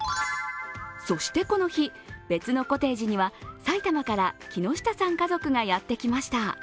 そして、この日、別のコテージには埼玉から木下さん家族がやってきました。